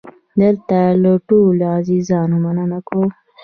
دلته له ټولو عزیزانو مننه کوم.